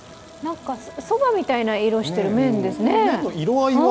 そばみたいな色してる麺ですね。